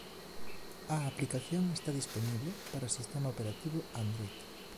A aplicación está dispoñible para o sistema operativo Android.